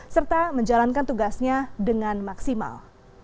serta menjalankan tugasnya dengan maksimal